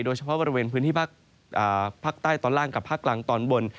โดยเฉพาะบริเวณพื้นที่ภาคใต้ตอนล่างกับภาคกลางตอนบน